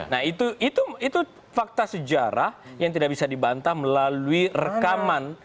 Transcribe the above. nah itu fakta sejarah yang tidak bisa dibantah melalui rekaman